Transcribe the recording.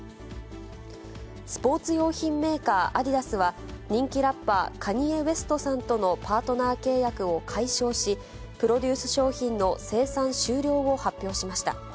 スポーツ用品メーカー、アディダスは、人気ラッパー、カニエ・ウェストさんとのパートナー契約を解消し、プロデュース商品の生産終了を発表しました。